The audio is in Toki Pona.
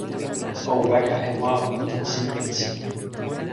o weka e wawa tan sinpin sina.